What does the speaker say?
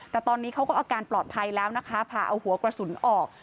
แต่ตอนนี้เขาก็อาการปลอดภัยแล้วนะคะผ่าเอาหัวกระสุนออก